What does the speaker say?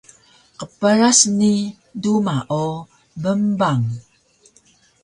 qpras ni duma o bngbang